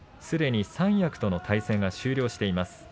すでに三役との対戦が終了しています。